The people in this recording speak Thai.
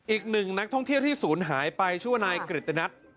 อีกหนึ่งนักท่องเที่ยวที่ศูนย์หายไปชื่อว่านายกริตนัท